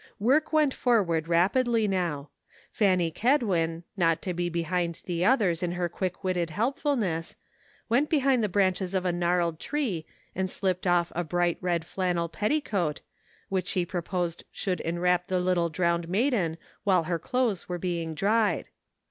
Work went forward rapidly now. Fanny Ked win, not to be behind the others in her quick witted helpfulness, went behind the branches of a gnarled tree and slipped off a bright red flan nel petticoat, which she proposed should enwrap the little <^rowne(^ nif^^den while her clothes SOMETHING TO REMEMBER. 37 were being dried.